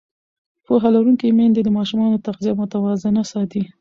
پوهه لرونکې میندې د ماشومانو تغذیه متوازنه ساتي.